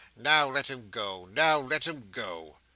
Now let him go, now let him go!"